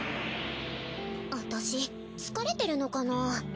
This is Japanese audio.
私疲れてるのかな？